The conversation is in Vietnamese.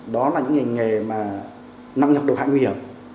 đó là những ngành nghề nặng nhập độc hại nguy hiểm